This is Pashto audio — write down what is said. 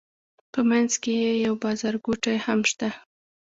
په منځ کې یې یو بازارګوټی هم شته.